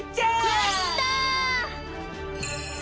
やった！